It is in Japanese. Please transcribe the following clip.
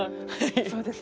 そうですね。